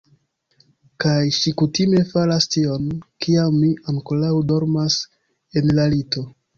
Kaj ŝi kutime faras tion, kiam mi ankoraŭ dormas en la lito.